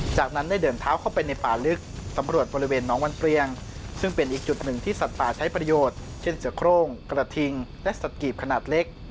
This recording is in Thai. จากนั้นได้เดินเท้าเข้าไปในป่าลึกสำรวจบริเวณน้องวันเปลียงซึ่งเป็นอีกจุดหนึ่งที่สัตว์ป่าใช้ประโยชน์เช่นเสือโครงกระทิงและสัตว์กีบขนาดเล็ก